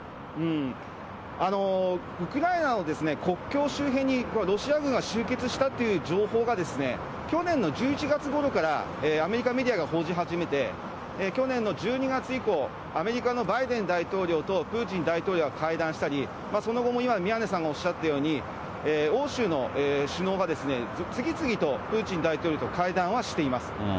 ウクライナの国境周辺にロシア軍が集結したという情報がですね、去年の１１月ごろからアメリカメディアが報じ始めて、去年の１２月以降、アメリカのバイデン大統領とプーチン大統領が会談したり、その後も今、宮根さんがおっしゃったように、欧州の首脳が次々とプーチン大統領と会談はしています。